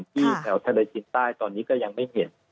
ที่แถวทะเลจีนใต้ตอนนี้ก็ยังไม่เห็น